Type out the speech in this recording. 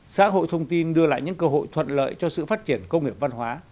xã hội thông tin đưa lại những cơ hội thuận lợi cho sự phát triển công nghiệp văn hóa